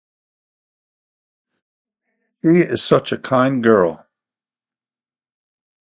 She is such a kind girl.